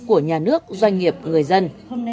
của nhà nước doanh nghiệp người dân